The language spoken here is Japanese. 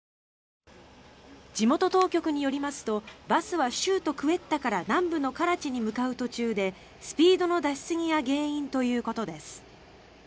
地元当局によりますとバスは州都クエッタから南部のカラチに向かう途中でスピードの出しすぎが原因ということです。